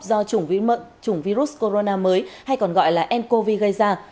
do chủng virus corona mới hay còn gọi là ncov gây ra